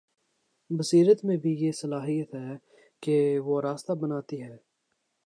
بصیرت میں بھی یہ صلاحیت ہے کہ وہ راستہ بناتی ہے۔